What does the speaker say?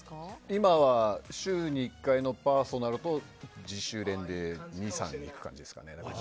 今は週に１回のパーソナルと自主練で２３日っていう感じですかね。